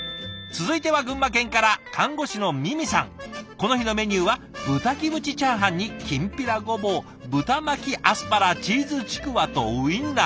この日のメニューは豚キムチチャーハンにきんぴらゴボウ豚巻きアスパラチーズちくわとウインナー。